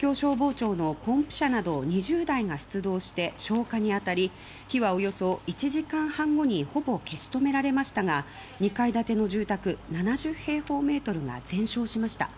東京消防庁のポンプ車など２０台が出動して消火にあたり火はおよそ１時間半後にほぼ消し止められましたが２階建ての住宅７０平方メートルが全焼しました。